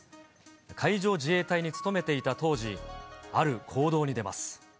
海上自衛隊に勤めていた当時、ある行動に出ます。